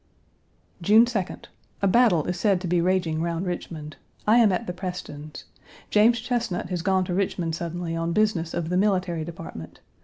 June 2d. A battle1 is said to be raging round Richmond. I am at the Prestons'. James Chesnut has gone to Richmond suddenly on business of the Military Department.